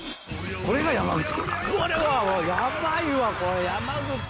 これはヤバいわこれ！